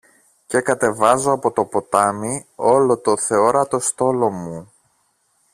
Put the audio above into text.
και κατεβάζω από το ποτάμι όλο το θεόρατο στόλο μου